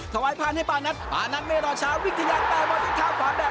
ถวายพานให้ปานัทปานัทไม่รอช้าวิ่งทะเยาะแต่บอลยิงทางขวาแบบ